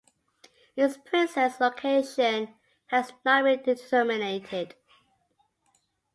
Its precise location has not been determinated.